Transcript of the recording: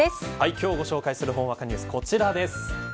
今日ご紹介するほんわかニュースはこちらです。